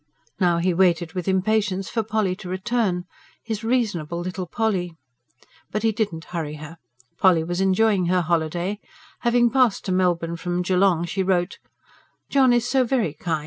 Now he waited with impatience for Polly to return his reasonable little Polly! But he did not hurry her. Polly was enjoying her holiday. Having passed to Melbourne from Geelong she wrote: JOHN IS SO VERY KIND.